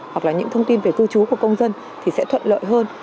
hoặc là những thông tin về cư trú của công dân thì sẽ thuận lợi hơn